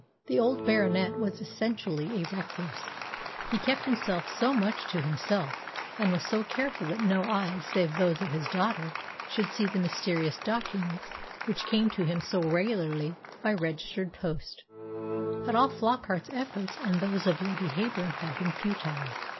The old Baronet was essentially a recluse; he kept himself so much to himself, and was so careful that no eyes save those of his daughter should see the mysterious documents which came to him so regularly by registered post, that all Flockart's efforts and those of Lady Heyburn had been futile.